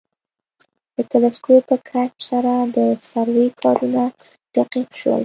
د تلسکوپ په کشف سره د سروې کارونه دقیق شول